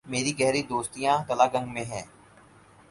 میری گہری دوستیاں تلہ گنگ میں ہیں۔